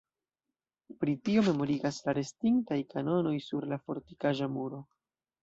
Pri tio memorigas la restintaj kanonoj sur la fortikaĵa muro.